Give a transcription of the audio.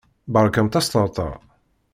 Berkamt asṭerṭer!